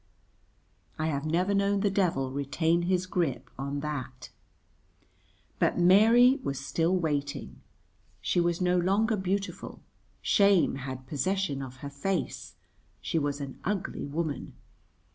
I have never known the devil retain his grip on that. But Mary was still waiting. She was no longer beautiful; shame had possession of her face, she was an ugly woman.